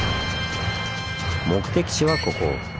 目的地はここ。